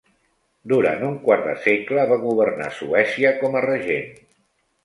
Durant un quart de segle va governar Suècia com a regent.